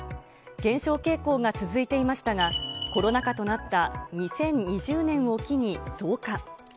減少傾向が続いていましたが、コロナ禍となった２０２０年を機に増加。